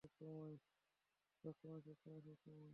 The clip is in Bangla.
সব সময়, সব সময়, সব সময়।